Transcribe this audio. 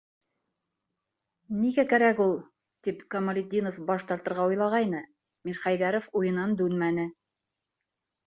Нигә кәрәк ул? - тип Камалетдинов баш тартырға уйлағайны, Мирхәйҙәров уйынан дүнмәне: